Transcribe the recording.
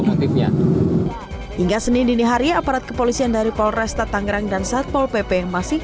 motifnya hingga senin dini hari aparat kepolisian dari polresta tangerang dan satpol pp masih